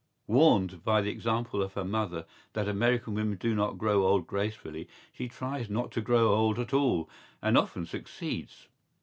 Warned by the example of her mother that American women do not grow old gracefully, she tries not to grow old at all and often succeeds.